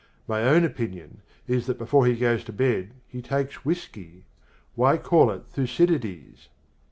My own opinion is that before he goes to bed he takes whiskey: why call it Thucydides?